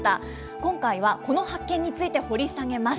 今回はこの発見について、掘り下げます。